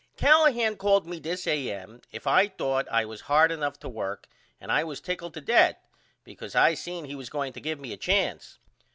Callahan asked me this A.M. if I thought I was hard enough to work and I was tickled to death, because I seen he was going to give me a chance.